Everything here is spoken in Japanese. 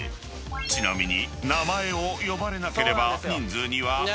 ［ちなみに］